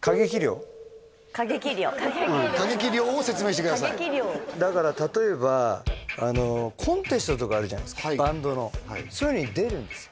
過激量過激量を説明してくださいだから例えばコンテストとかあるじゃないですかバンドのそういうのに出るんですよ